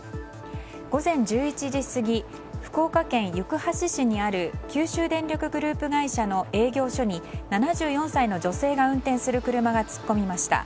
午前１１時過ぎ福岡県行橋市にある九州電力グループ会社の営業所に７４歳の女性が運転する車が突っ込みました。